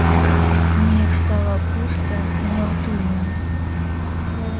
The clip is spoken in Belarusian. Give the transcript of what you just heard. Неяк стала пуста і няўтульна.